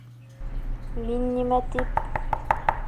Мин нимә тип...